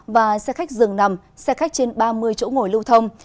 và xe khách dường nằm xe khách trên ba mươi chỗ ngồi lưu thông